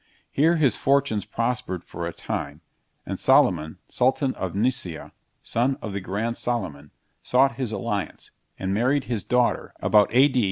Here his fortunes prospered for a time, and Soliman, sultan of Nicea, son of the grand Soliman, sought his alliance, and married his daughter, about AD.